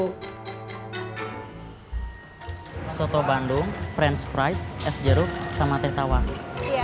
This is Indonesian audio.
hai soto bandung french fries es jeruk sama teh tawa iya iya